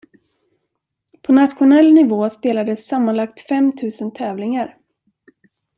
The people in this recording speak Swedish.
På nationell nivå spelades sammanlagt femtusen tävlingar.